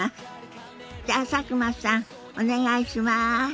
じゃあ佐久間さんお願いします。